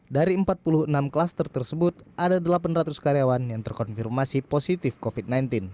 dari empat puluh enam klaster tersebut ada delapan ratus karyawan yang terkonfirmasi positif covid sembilan belas